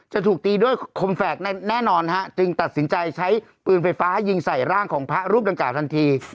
จะถูกตีด้วยคมแฝกแน่นอนฮะจึงตัดสินใจใช้ปืนไฟฟ้ายิงใส่ร่างของพระรูปดังกล่าทันที